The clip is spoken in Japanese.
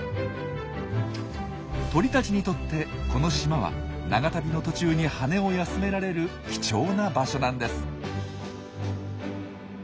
鳥たちにとってこの島は長旅の途中に羽を休められる貴重な場所なんです。